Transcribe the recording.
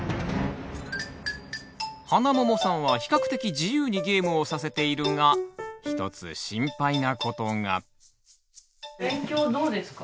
ハナモモさんは比較的自由にゲームをさせているが１つ心配なことが。